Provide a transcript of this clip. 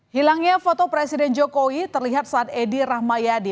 hilangnya foto presiden jokowi terlihat saat edi rahmayadi